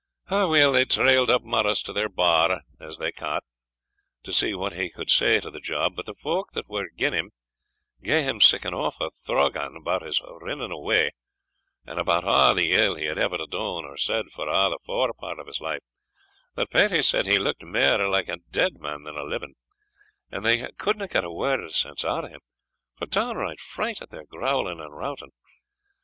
Aweel, they trailed up Morris to their bar, as they ca't, to see what he could say to the job; but the folk that were again him, gae him sic an awfu' throughgaun about his rinnin' awa, and about a' the ill he had ever dune or said for a' the forepart o' his life, that Patie says he looked mair like ane dead than living; and they cou'dna get a word o' sense out o' him, for downright fright at their growling and routing.